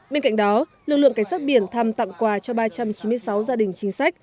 bên cạnh đó lực lượng cảnh sát biển thăm tặng quà cho ba trăm chín mươi sáu gia đình chính sách